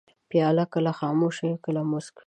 پیاله کله خاموشه وي، کله موسک وي.